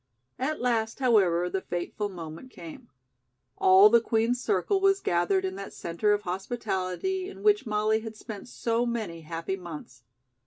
At last, however, the fateful moment came. All the Queen's circle was gathered in that center of hospitality in which Molly had spent so many happy months.